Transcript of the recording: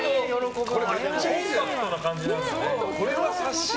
コンパクトな感じなんだね。